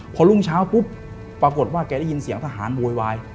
พอรุ่งเช้าปุ๊บปรากฏว่าแกได้ยินเสียงทหารโวยวาย